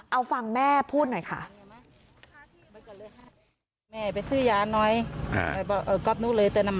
เอาฟังแม่พูดหน่อยค่ะ